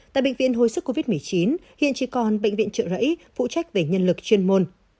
tại bệnh viện hồi sức covid một mươi chín hiện chỉ còn bệnh viện trợ rẫy phụ trách về nhân lực chuyên môn